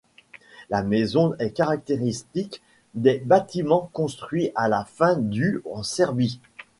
La maison est caractéristique des bâtiments construits à la fin du en Serbie.